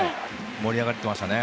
盛り上がってましたね。